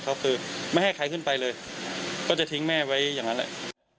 เขาคือไม่ให้ใครขึ้นไปเลยก็จะทิ้งแม่ไว้อย่างนั้นแหละ